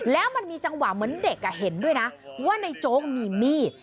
แล้วมันมีจังหวะเหมือนเด็กเห็นด้วยนะว่าในโจ๊กมีมีด